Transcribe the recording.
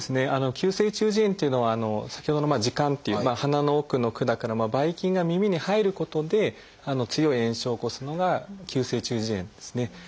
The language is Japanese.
急性中耳炎というのは先ほどの「耳管」という鼻の奥の管からばい菌が耳に入ることで強い炎症を起こすのが急性中耳炎ですね。